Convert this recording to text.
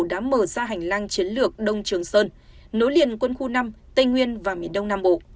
đã mở ra hành lang chiến lược đông trường sơn nối liền quân khu năm tây nguyên và miền đông nam bộ